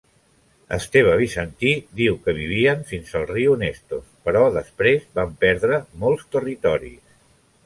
Esteve Bizantí diu que vivien fins al riu Nestos, però després van perdre molts territoris.